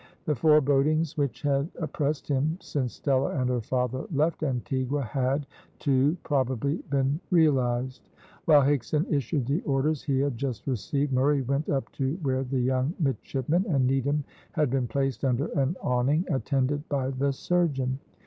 The forebodings which had oppressed him since Stella and her father left Antigua had, too, probably been realised. While Higson issued the orders he had just received, Murray went up to where the young midshipman and Needham had been placed under an awning, attended by the surgeon.